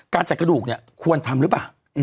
จัดกระดูกเนี่ยควรทำหรือเปล่า